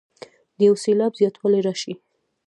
د یو سېلاب زیاتوالی راشي.